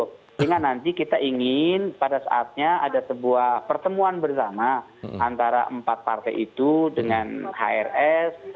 sehingga nanti kita ingin pada saatnya ada sebuah pertemuan bersama antara empat partai itu dengan hrs